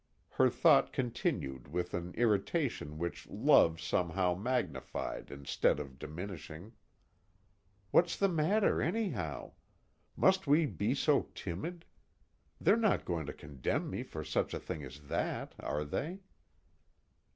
_ Her thought continued with an irritation which love somehow magnified instead of diminishing: _What's the matter anyhow? Must we be so timid? They're not going to condemn me for such a thing as that. Are they?